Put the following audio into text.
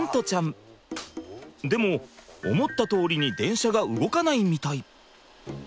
でも思ったとおりに電車が動かないみたい。